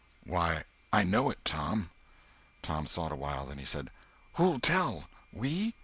"Why, I know it, Tom." Tom thought a while, then he said: "Who'll tell? We?"